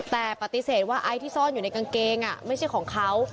แต่ปฏิเสธว่าไอซ์ที่ซ่อนอยู่ในกางเกงไม่ใช่ของเขา